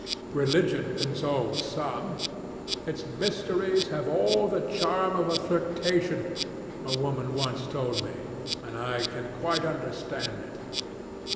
Religion consoles some. Its mysteries have all the charm of a flirtation, a woman once told me, and I can quite understand it.